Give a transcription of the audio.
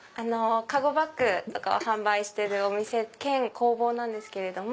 籠バッグとかを販売してるお店兼工房なんですけれども。